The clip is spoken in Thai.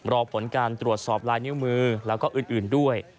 รอผลการตรวจสอบลายนิ้วมือแล้วก็อื่นด้วย